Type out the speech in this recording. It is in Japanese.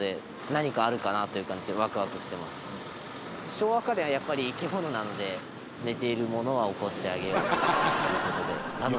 昭和家電はやっぱり、生き物なので寝ているものは起こしてあげようという事で楽しみですね。